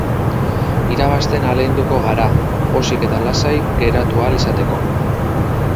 Irabazten ahaleginduko gara, pozik eta lasai geratu ahal izateko.